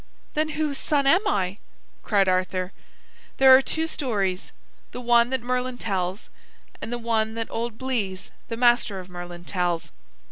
"Then whose son am I?" cried Arthur. "There are two stories: the one that Merlin tells, and the one that old Bleys, the master of Merlin, tells.